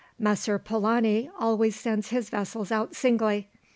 Messer Polani always sends his vessels out singly.